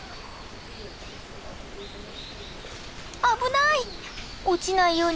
危ない！